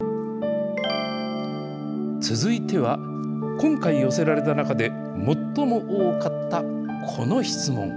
続いては、今回寄せられた中で、最も多かったこの質問。